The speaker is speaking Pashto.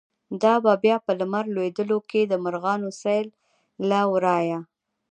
“دا به بیا په لمر لویدو کی، د مرغانو سیل له ورایه